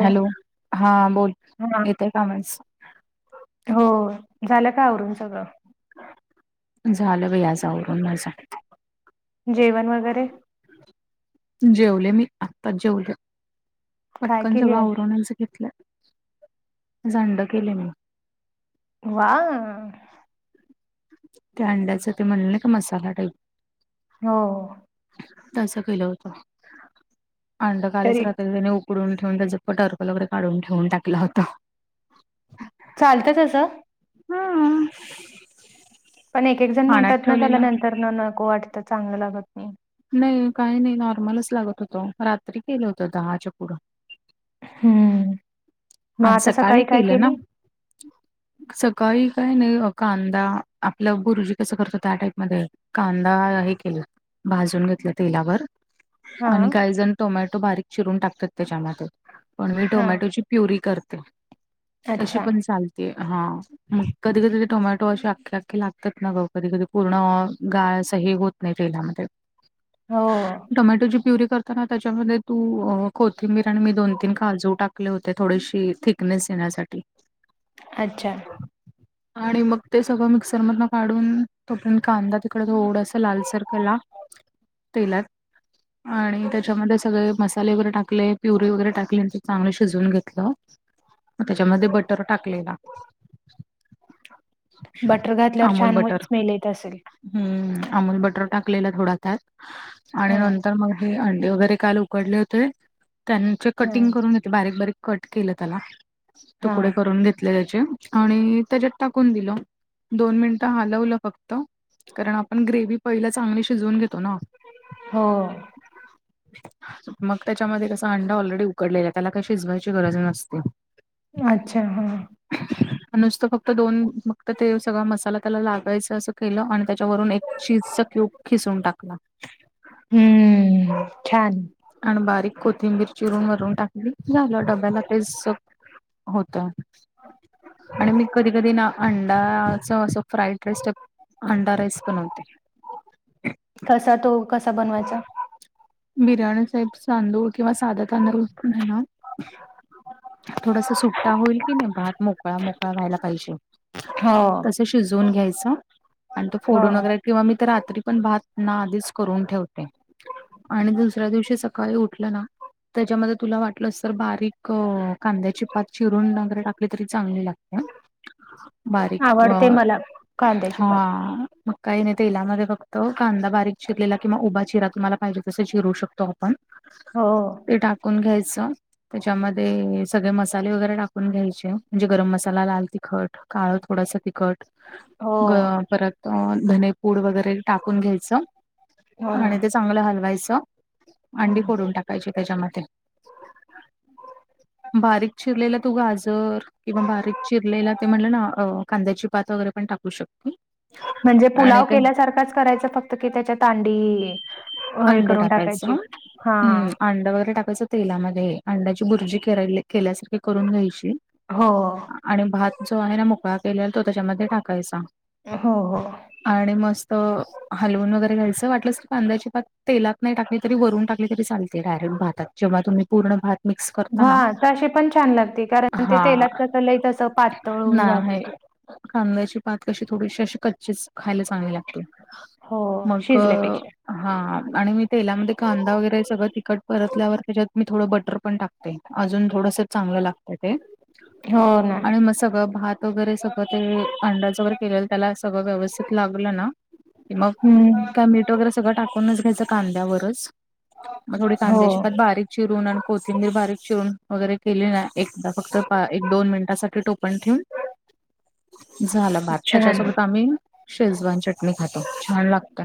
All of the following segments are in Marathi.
हॅलो हा बोल हा येतो का आवाज? हो झालं का आवरून सगळं? झालं बाई आज आवरून माझं जेवण वगैरे? जेवले मी आत्ताच जेवले. काय पटकन केली सगळं आज आवरणच घेतलं जड केले मी वा त्या अंड्याचं ते म्हणलं नाही का, मसाला टाईप हो तस केलं होत, अंड कालच तरी रात्री त्याने उक् कडून ठेवून, त्याच प टरपल वगैरे काढून ठेवून टाकलं होतो. चालतंय तसं? हम्म पण एक -एक जण म्हणतात ना, त्याला नंतरन नको वाटतं, चांगलं लागत नाही. नाही, काही नाही, नॉर्मलच लागत होतं रात्री केलं होतं, दहाच्या पुढं. हम्म, मग आणि आता सकाळी काय केलं ना केली? सकाळी काय नाही, कांदा आपलं बुरजी कसं करतो, त्या टाईप मध्ये कांदा हे केलं, भाजून घेतलं तेलावर हा आणि काही जण टोमॅटो बारीक चिरून टाकतात त्याच्यामध्ये, पण मी हा टोमॅटोची प्युरी करते, तशी अच्छा पण चालते हा. मग कधी -कधी टोमॅटो अशे अख्खे अख्खे लागतात ना गं, कधी कधी पूर्ण गाळ असं हे होत् त नाही तेलामध्ये, हो टोमॅटोची प्युरी कर त्याच्यामध्ये तू कोथिंबीर आणि मी दोन - तीन काजू टाकले होते. ते थोडीशी थिकनेस येण्यासाठी. अच्छा आणि मग ते सगळं मिक्सर मधन काढून, तोपर्यंत कांदा तिकड थोडासा लालसर केला. तेलात आणि त्याच्यामध्ये सगळे मसाले वगैरे टाकले, प्युरी वगैरे टाकले चांगले शिजवुन घेतलं, मग त्याच्यामध्ये बटर टाकलेला. बटर घातल्यावर अमूल छान बटर मोइच स्मेल येत असेल. हम्म, अमूल बटर टाकलेला थोडा त्यात आणि हा नंतर मग् अंडे वगैरे काल उकडले होते, त्यांचे हा कटिंग करून घेत बारीक बारीक कट केलं त्याला, हा तुकडे करून घेत ले त्याचे आणि त्याच्यात टाकून दिलं, दोन मिनट हलवलं फक्त कारण आपण ग्रेव्ही पहिला चांगली शिजवून घेतो ना. हो मग त्याच्यामध्ये कसा अंडा ऑलरेडी उकडले अ त्याला काही शिजवायची गरज नसते. अच्छा, हा. नुसतं फक्त दोन, मग त ते सगळा मसाला त्याला लागायचं असं केलं आणि त्याच्यावरून एक चीजचा क्यूब खिसून टाकला. हम्म, छान. आणि बारीक कोथिंबीर चिरून वरून टाकली झालं, डब्याला तेच स होतं. आणि मी कधी कधी ना अंडा आचं असं फ्राईड राईस अंडा राईस बनवते. कसा तो कसा बनवायचा? बिर्याणी साइब तांदूळ किंवा साधा तांदूळ [unintelligible] घेण थोडसं सुट्टा होईल की, नाही भात मोकळा -मोकळा व्हायला पाहिजे. हो तसं शिजवून घ्यायचं आणि तो हो फोडून वगैरे किंवा मी तर रात्री पण भात ना, आधीच करून ठेवते. आणि दुसऱ्या दिवशी सकाळी उठलं ना, तेच्यामध्ये तुला वाटलंस तर बारीक क कांद्याची पात चिरून वगैरे टाकली तरी चांगली लागत्या. बारीक आवडते मला कांद्याची पात हा काही नाही तेलामध्ये फक्त कांदा बारीक चिरलेला किंवा उभा चिरा तुम्हाला पाहिजे तस चिरू शकतो आपण. हो ते टाकून घ्यायच. तेच्यामध्ये सगळे मसाले वगैरे टाकून घ्यायचे. म्हणजे गरम मसाला लाल तिखट काळ थोडास तिखट हो ग परत धने पूड वगैरे टाकून घ्यायच. हो ना चांगलं हलवायच. अंडी हं. फोडून टाकायची तेच्यामध्ये. [inaudible] बारीक चिरलेला तो गाजर. किंवा बारीक चिरलेला ते म्हटलं ना अ कांद्याची पात वगैरे पण टाकू शकते. म्हणजे आणि पुलाव ते केल्यासारखाच करायचा. फक्त कि तेच्यात अंडी अंड टाकायच. हा अ अंड वगैरे टाकायच. तेलामध्ये अंड्याची बुर्जी कराले केल्यासारखी करून घ्यायची. हो आणि भात जो आहे, ना मोकळा केलेला तो तेच्यामध्ये टाकायचा. हो हो आणि मस्त हलवून वगैरे घ्यायच. वाटल्यास कांद्याची पात तेलात नाही टाकली तरी वरून टाकली तरी चालते डायरेक्ट भातात. जेव्हा तुम्ही पूर्ण भात मिक्स करता ना हा तशी पण छान लागते कारण ते हा तेलात कसं लई तसं पातळ होऊन जाते नाही ती कांद्याची पात कशी थोडीशी अशी कच्चीच खायला चांगली लागते. हो मग शिजल्यापेक्षा हा आणि मी तेलामध्ये कांदा वगैरे सगळं तिखट परतल्यावर तेच्यात मी थोडं बटर पण टाक ते अजून थोडस चांगल लागत ते. हो ना आणि मग सगळ भात वगैरे सगळ ते अंड्याजवर केलेल त्याला सगळ व्यवस्थित लागल ना कि मग हम्म कय मीठ वैगरे सगळ टाकूनच घ्यायच कांद्यावरच. मग थोडी हो कांद्याची पात बारीक चिरून कोथिंबीर बारीक चिरून वगैरे केली ना एकदा फक्त पा एक दोन मिनिटासाठी टोपण ठेवून झाला भात छान त्याच्यासोबत आम्ही शेजवान चटणी खातो. छान लागत.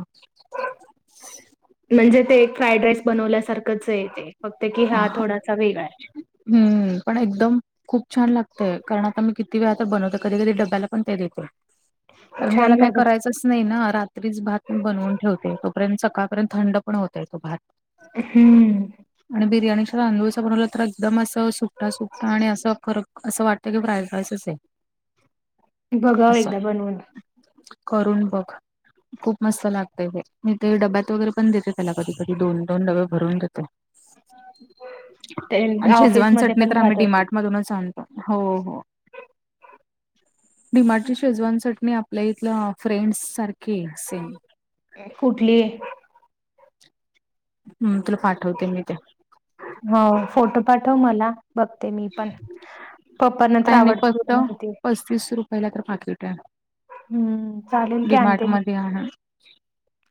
म्हणजे ते एक फ्राईड राईस बनवल्यासारखंचय आहे ते फक्त कि हा आठवडाचा वीवार हम्म पण एकदम खूप छान लागतय. कारण आता मी किती वेळा आता बनवते. कधी कधी डब्याला पण ते देते. कारण छान त्याला काय लागत करायचस नाही ना रात्रीच भात मी बनवून ठेवते. तोपर्यंत सकाळपर्यंत थंड पण होतय तो भात. हम्म आणि बिर्याणीच्या तांदूळच बनवल तर एकदम अस सुटा सुटा आणि अस फरक अस वाट ते की प्राईड राईसच आहे. बघाव असं एकदा बनवून. करून बघ खूप मस्त लागतय ते. मी ते डब्यात वगैरे पण देते त्याला. कधीधी दोन दोन डबे भरून देते. ते आणि शेजवान ऑफिसमध्ये चटणी पण तर आम्ही खात असतील डिमार्ट मधूनच आणतो हो हो. डी मार्टची शेजवांसाठी आपल्या इथलं फ्रेंड्स सारखे सेम. कुठली. हम् तुला पाठवते मी ते. हो फोटो पाठव मला बघते मी पण पप्पांना तर आवडतात माहिती. वीस रुपयाला तर पाकिट हायं हम्म चालेल की डी मार्ट आणते मी मध्ये आण हा हा.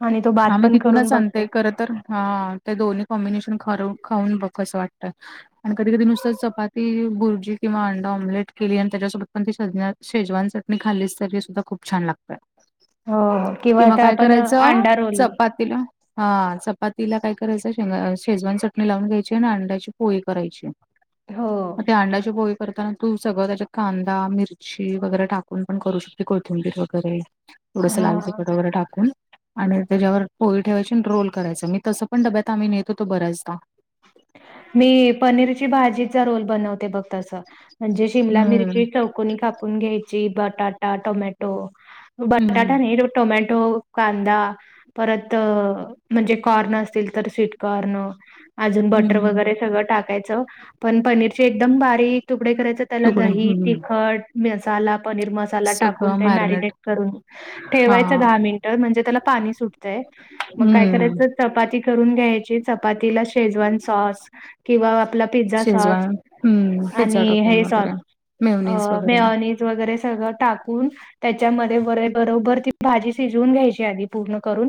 आणि तो हा भात मी पण तिथूनच करून बघते सांगतेय करत. तर हा ते दोन्ही कॉम्बिनेशन खरं खाऊन बघ कसं वाटतं. आणि कधी कधी नुसत्या चपाती भुर्जी किंवा अ''--'' ड ऑमलेट केली आणि त्याच्यासोबत पण ती सज शेजवान चटणी खाली तरी सुद्धा खूप छान लागतय. हो किंवा आता काय आपण करायचं अंडा रोल चपातीला. हा चपातीला काय करायचं शेजवान चटणी लावून घ्यायची आणि अंड्याची पोळी करायची. हो म ते अंड्याचे पोळी करताना. तू सगळं त्याच्यात कांदा मिरची वगैरे टाकून पण करू शकते कोथिंबीर वगैरे. थोडस लाल हा तिखट वगैरे टाकून. आणि त्याच्यावर पोळी ठेवायची रोल करायचं मी तसं पणडब्यात आम्ही नेत होतो बऱ्याचदा. मी पनीरची भाजीचा रोल बनवते बघ तस म्हणजे शिमला हम्म मिरची चौ''--'' कोन कापून घ्यायची बटाटा टोमॅटो बटाटा हम्म नाही. टोमॅटो कांदा. परत म्हणजे कारन असतील तर स्वीट कार्न. अजून बटर हम्म वगैरे सगळं टाकायचं. पण पनीरचे एकदम बारी तुकडे करायचे त्याला तुकड दही हम्म तिखट मसाला पनीर मसाला टाक''--'' सगळं कोणतेही मॅरिनेट मॅरीडेट करून हा ठेवायचं दहा मिनिट. ट तर म्हणजे त्याला पाणी सुटते मग काय हम्म करायचं च चपाती करून घ्यायची चपातीला. शेजवान सॉस किंवा आपला पिझ्झा सॉस शेजवान आणि हे सॉस. अ, मेवनज वगैरे. मेयोनीज वगैरे सगळं टाकून. त्याच्यामध्ये व रे बरोबर ती भाजी शिजवून घ्यायची आधी पूर्ण करून.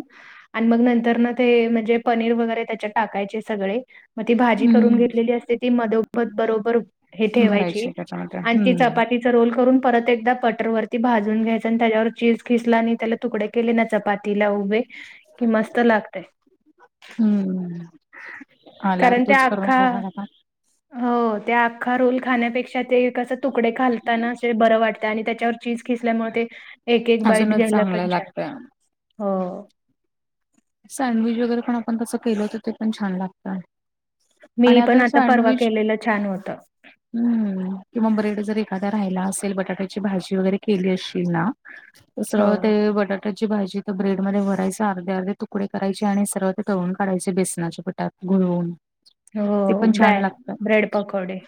आणि मग नंतर ना ते म्हणजे पनीर वगैरे त्याच्यात टाकायचे सगळे. मग ती भाजी करून हम्म घेतलेली असते ती मधोमद बरोबर हे ठेवायची. हा काय आणि हम. ती चपातीचा रोल करून परत एकदा बटरवररती भाजून घ्यायच आणि त्याच्यावर चीज खिसला आणि त्याला तुकडे. केले ना चपातीला उभे कि मस्त लागतेय. हम्म आल्यावर कारण ते तूच करून खघा अख्खा घाल आता. हो त्या अखा रोल खाण्यापेक्षा ते कस. तुकडे खालताना असे बरं वाटत आणि त्याच्यावर चीज खेसल्यामुळे ते. एक एक बाईट अजूनच घ्यायला पण चांगलं छान लागतंय. हो. सँडविच वगैरे पण आपण तसं केलं तर ते पण छान लागतं. मी आणि पण आता परवा सँडविच केलेलं छान होत. हम्म किंवा ब्रेड जर एखाद्या राहिला असेल बटाट्याची भाजी वगैरे केली अशील ना. हो, सरळ ते बटाट्याची भाजी तर ब्रेड मध्ये भरायच अर्धे अर्धे तुकडे. तकडे करायचे आणि सर्व ते तळून काढयचे बेसनाच्या पटात घुळवून. हो ब्रॅड ब्रेड पकोडे.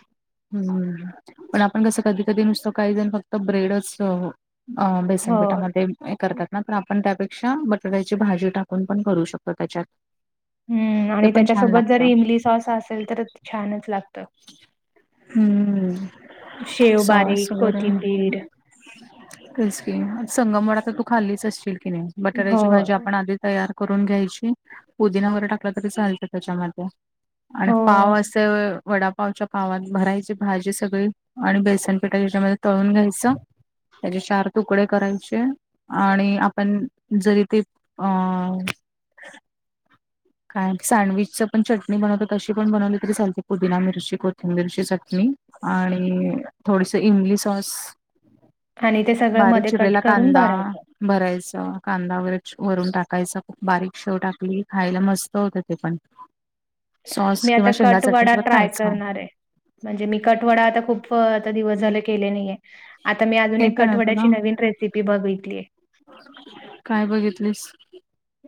ह् पण आपण कसं कधी कधी नुसतं काही जण फक्त ब्रेडच. अ हो. बेसनपीठामध्ये करतात ना, तर आपण त्यापेक्षा बटाट्याची भाजी टाक आपण करू शकतो त्याच्यात. हम्म, ते आणि पण छान त्याच्यासोबत जर लागतं इमली सॉस असेल तर छानच लागत. हम्म शेव बारीक, कोथिंबीर. तेस कि संगम वडा तर तू खाल्लीच असशील की नाही? हो, बटाटाची भाजी आपण आधीच तयार करून घ्यायची पुदिना वगैरे टाकलं तरी चालतं त्याच्यामध्ये. आणि पाव हो. असे वडा पावच्या पावात भरायची भाजी सगळी आणि बेसन पिठा याच्यामध्ये तळून घ्यायचं, त्याचे चार तुकडे करायची आणि आपण जरी ते, अ... काय सँडविच पण चटणी बनवत तशी पण बनवली तरी चालते, पुदिना, मिरची, कोथिंबीरची चटणी. आणि थोडीस इमली सॉस. आणि ते सगळं बारीक मध्ये कट चिरलेला करून कांदा. भरायचं. भरायचं कांदा वगैरे वरून टाकायचं बारीक शेव टाकली खायला मस्त. त होत ते पण सॉस मी किंवा आता शेंगा कट वडा चटणीसोबत ट्राय खायचं करणार आहे. म्हणजे मी कटवडा आता खूप दिवस झाले केले नाहीये, आता मी अजून एक येते ना तुला कटवड्याची नवीन रेसिपी सिपी बघितली आहे. काय बघितलीस?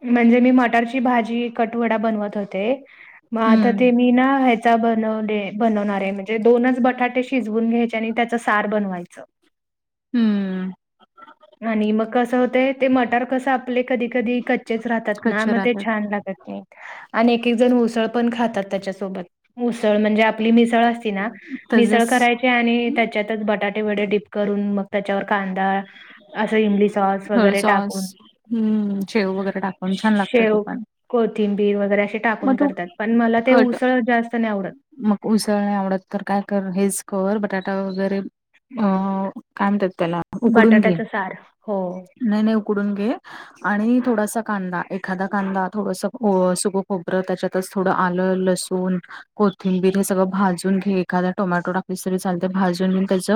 म्हणजे मी मटरची भाजी कटवडा बनवत होते. मग आता हम्म ते मी ना चा बनवले -बनवणारे म्हणजे दोनच बटाटे शिजवून घ्यायचे आणि त्याच सार बनवायच. हम्म! आणि मग कसं होतंय ते मटार कसं आपले कधी कधी कच्चेच राहतात ना कच्चे मग ते राहतात छान लागत. आणि एक एक जण उसळ पण खातात त्याच्यासोबत मुसळ म्हणजे आपली मिसळ अस असती ना मिसळ तसेच करायची आणि त्याच्यातच बटाटे व डीप करून मग त्याच्यावर कांदा असं इमली सॉस हळ वगैरे सॉस टाकून हम्म शेव वगैरे टाकून छान लागतं ते शेव पण कोथिंबीर वगैरे असे मग टाकून तू करतात, पण मला ते कट उसळ जास्त नाही आवडत‌. मग उसळ नाही आवडत तर काय कर हेच क बटाटा वगैरे हो हो का तर त्याला. उकडून घे बटाट्याचा सार हो. नाही नाही उकडून घे आणि थोडासा कांदा एखादा कांदा थोडास सुबक खोबरं त्याच्यातच थोडं आलं लसूण कोथिंबीर हे सगळं भाजून घे, एखाद्या टोमॅटो टाकली तरी चालते भाजून मी त्याच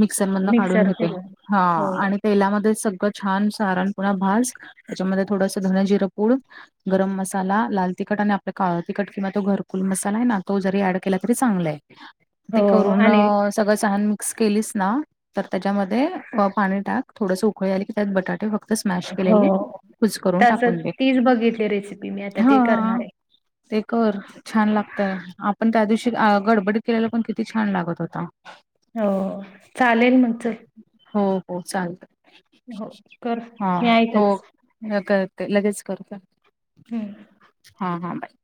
मिक्सर मधन काढून मिक्सर घेते फिरवून ह हो आणि तेलामध्ये सगळं छान सारणपणा भास त्याच्यामध्ये थोडस धन जिरं कुड. गरम मसाला. लाल तिखट आणि आपलं काळं तिखट किंवा तो घरकुल मसाला आहे ना, तो जरी ऍड केला तरी चांगलाय. ते हो करून आणि सगळं सहान मिक्स केलीस ना. तर त्याच्यामध्ये प-पाणी टाक थोडस उकळी आले की त्यात बटाटे फक्त स्मॅश केलेले कुच करून टाकून दे. बघितले रेसिपी मी आधी. हा! ते कर छान लागतय आपण त्या दिवशी गडबड केलेला पण किती छान लागत होता. हो चालेल मग च. हो हो चालत, हो कर हा मी हो. आहेतच. नकळत क, लगेच करतोय. हम्म. हां हां बाय.